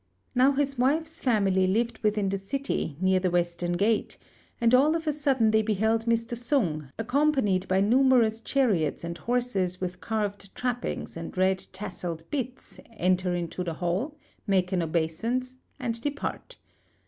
Now his wife's family lived within the city, near the western gate; and all of a sudden they beheld Mr. Sung, accompanied by numerous chariots and horses with carved trappings and red tasselled bits, enter into the hall, make an obeisance, and depart.